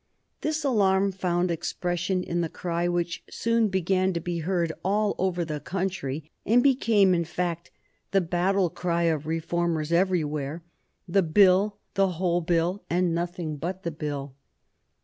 This alarm found expression in the cry which soon began to be heard all over the country, and became in fact the battle cry of Reformers everywhere the Bill, the whole Bill, and nothing but the Bill.